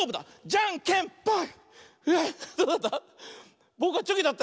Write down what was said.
じゃんけんパー！